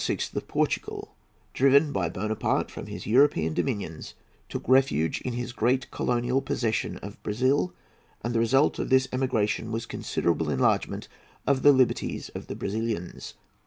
of Portugal, driven by Buonaparte from his European dominions, took refuge in his great colonial possession of Brazil, and the result of his emigration was considerable enlargement of the liberties of the Brazilians.